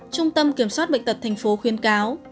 trung tâm kiểm soát bệnh tật thành phố khuyên cáo